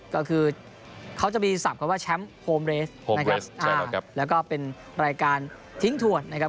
ก็คือเขาจะมีศัพท์คำว่าแชมป์โฮมเรสนะครับแล้วก็เป็นรายการทิ้งถวดนะครับ